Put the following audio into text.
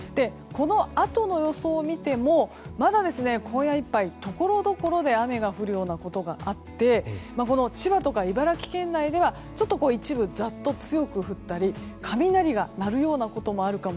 このあとの予想を見てもまだ今夜いっぱいところどころで雨が降るようなことがあって千葉とか茨城県内ではちょっと一部、ざっと強く降ったり雷が鳴るようなこともある